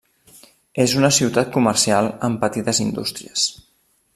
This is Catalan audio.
És una ciutat comercial amb petites indústries.